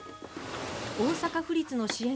大阪府立の支援